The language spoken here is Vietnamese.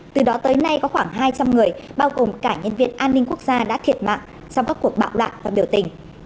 từ đó tới nay có khoảng hai trăm linh người bao gồm cả nhân viên an ninh quốc gia đã thiệt mạng trong các cuộc bạo loạn và biểu tình